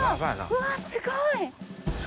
うわすごい！